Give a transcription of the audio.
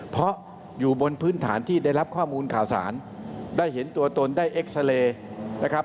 เพราะอยู่บนพื้นฐานที่ได้รับข้อมูลข่าวสารได้เห็นตัวตนได้เอ็กซาเลนะครับ